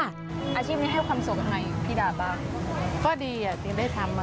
อาชีพนี้ให้ความสุขใหม่พี่ดาบ้าง